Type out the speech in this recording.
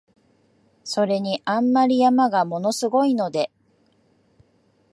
それに、あんまり山が物凄いので、